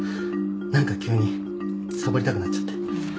何か急にサボりたくなっちゃって